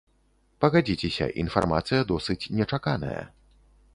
Пагадзіцеся, інфармацыя досыць нечаканая.